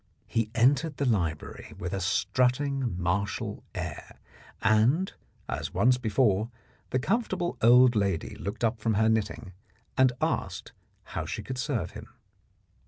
He entered the library with a strutting martial air, and, as once before, the comfortable old lady looked up from her knitting and asked how she could serve him.